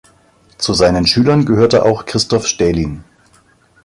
Zu seinen Schülern gehörte auch Christof Stählin.